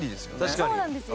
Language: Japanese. そうなんですよ。